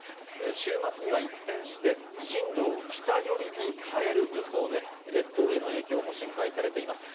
週末には一転して進路を北寄りに変える予想で、列島への影響も心配されています。